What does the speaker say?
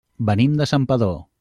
Venim de Santpedor.